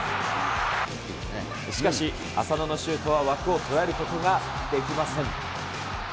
しかし、浅野のシュートは枠を捉えることができません。